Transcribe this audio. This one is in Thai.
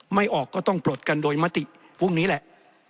ไม่ออกก็ต้องปลดกันโดยมติพรุ่งนี้แหละ